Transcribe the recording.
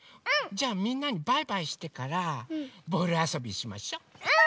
じゃみんなにバイバイしてからボールあそびしましょ。ぽぅ！